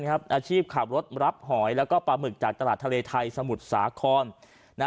อาชีพขับรถรับหอยแล้วก็ปลาหมึกจากตลาดทะเลไทยสมุทรสาคร